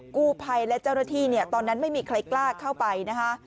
กู้ภัยและเจ้าหน้าที่เนี่ยตอนนั้นไม่มีใครกล้าเข้าไปนะคะ